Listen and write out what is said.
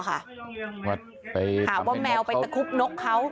ถามว่าแมวไปตะคุบโน๊กครับ